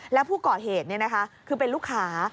แล้วผู้ก่อเหตุคือเป็นลูกค้า